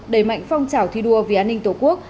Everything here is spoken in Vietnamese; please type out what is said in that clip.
đẩy mạnh phong trào thi đua vì an ninh tổ quốc